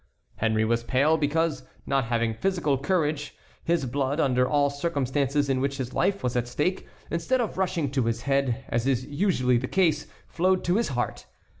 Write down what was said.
Henry was pale because, not having physical courage, his blood, under all circumstances in which his life was at stake, instead of rushing to his head, as is usually the case, flowed to his heart.